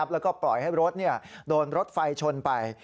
แล้วก็ปล่อยให้รถโดนรถไฟชนไป